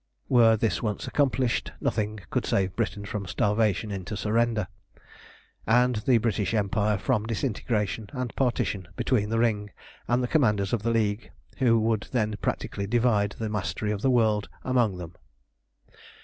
Were this once accomplished nothing could save Britain from starvation into surrender, and the British Empire from disintegration and partition between the Ring and the Commanders of the League, who would then practically divide the mastery of the world among them.